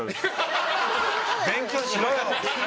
勉強しろよ！